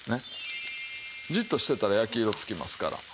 じっとしてたら焼き色つきますから。